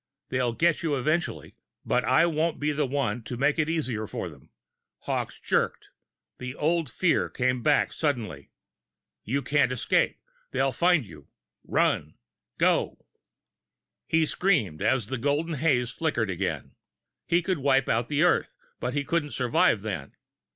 They'll get you eventually, but I won't be the one to make it easier for them!" Hawkes jerked. The old fear came back suddenly. You can't escape! They'll get you. Run! GO! He screamed, as the golden haze flickered again. He could wipe out the Earth, but he couldn't survive, then.